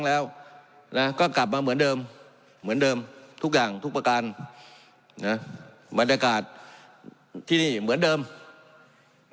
แล้วกันเรื่องแบบ